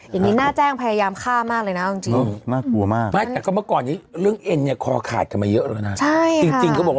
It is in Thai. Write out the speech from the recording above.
อย่างนี้น่าแจ้งพยายามค่ามากเลยนะจริง